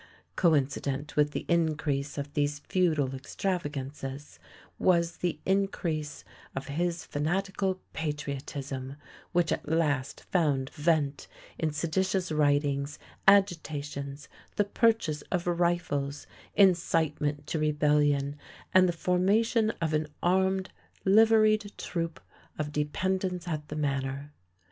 Coincident with the increase of these futile extravagances was the increase of his fanatical patriotism, which at last found vent in seditious writings, agitations, the purchase of rifles, in citement to rebellion, and the formation of an armed, liveried troop of dependents at the Manor.